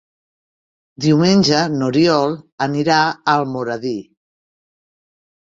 Diumenge n'Oriol anirà a Almoradí.